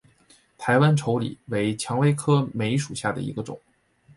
台湾稠李为蔷薇科梅属下的一个种。